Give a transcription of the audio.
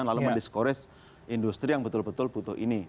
lalu mendiscourage industri yang betul betul butuh ini